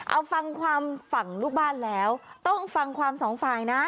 เอาฟังความฝั่งลูกบ้านแล้วต้องฟังความสองฝ่ายนะ